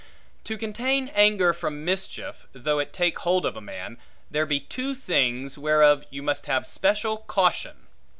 To contain anger from mischief, though it take hold of a man, there be two things, whereof you must have special caution.